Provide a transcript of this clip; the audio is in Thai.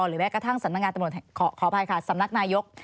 แม้กระทั่งสำนักงานตำรวจแห่งขออภัยค่ะสำนักนายก